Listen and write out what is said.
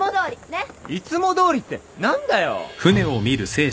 ねっ？いつもどおりって何だよ。